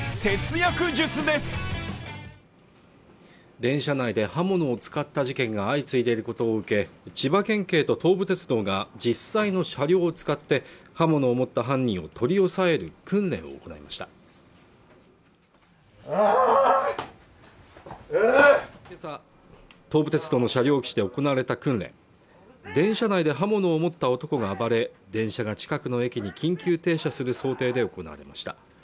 電車内で刃物を使った事件が相次いでいることを受け千葉県警と東武鉄道が実際の車両を使って刃物を持った犯人を取り押さえる訓練を行いました今朝、東武鉄道の車両基地で行われた訓練電車内で刃物を持った男が暴れ電車が近くの駅に緊急停車する想定で行われました